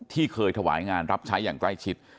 ที่เคยถวายงานรับใช้อย่างใกล้ชิด